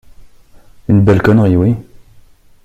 Une belle connerie, oui !